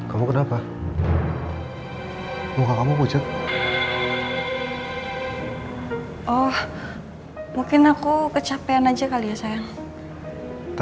aku serba salah melihat elsa seperti itu